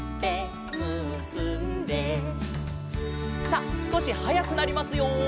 さあすこしはやくなりますよ。